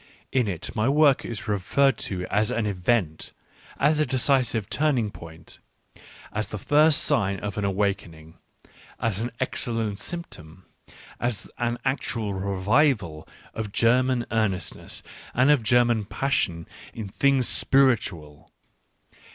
In it my work was referred to as an event, as a decisive turning point, as the first sign of an awakening, as an excellent symptom, and as an actual revival of German earnestness and of German passion in things spiritual.